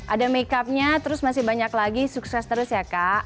ada makeupnya terus masih banyak lagi sukses terus ya kak